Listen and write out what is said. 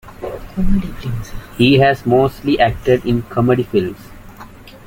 He has mostly acted in comedy films.